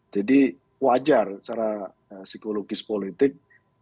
jadi wajar secara psikologis politik